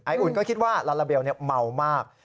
อุ่นก็คิดว่าลาลาเบลเมามาก